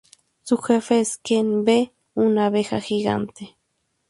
Su jefe es Queen Bee, una abeja gigante.